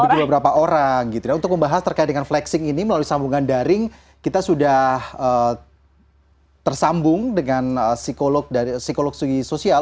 untuk beberapa orang gitu ya untuk membahas terkait dengan flexing ini melalui sambungan daring kita sudah tersambung dengan psikologi sosial